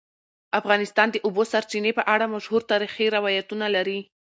افغانستان د د اوبو سرچینې په اړه مشهور تاریخی روایتونه لري.